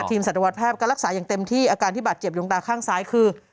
สัตวแพทย์ก็รักษาอย่างเต็มที่อาการที่บาดเจ็บดวงตาข้างซ้ายคือ